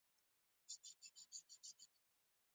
د کارنده بنسټونو جوړېدو ته لار هواره کړي.